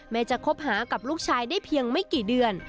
จะคบหากับลูกชายได้เพียงไม่กี่เดือน